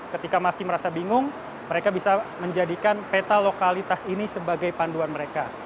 ketika masih merasa bingung mereka bisa menjadikan peta lokalitas ini sebagai panduan mereka